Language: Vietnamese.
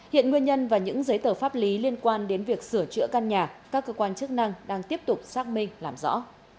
hiện nguyên nhân và những giấy tờ pháp lý liên quan đến việc sửa chữa căn nhà các cơ quan chức năng đang tiếp tục xác minh làm rõ